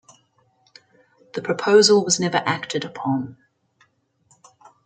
The proposal was never acted upon.